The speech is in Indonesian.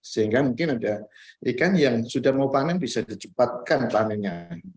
sehingga mungkin ada ikan yang sudah mau panen bisa dicepatkan panennya